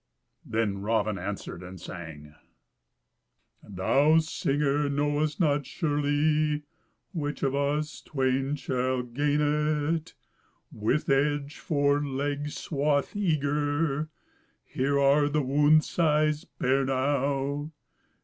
Then Raven answered and sang, "Thou, singer, knowest not surely Which of us twain shall gain it; With edge for leg swathe eager, Here are the wound scythes bare now.